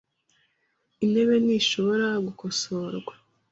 Intebe ntishobora gukosorwa .